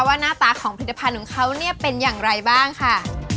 หน้าตาของผลิตภัณฑ์ของเขาเนี่ยเป็นอย่างไรบ้างค่ะ